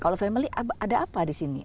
kalau family ada apa di sini